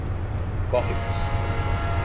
córregos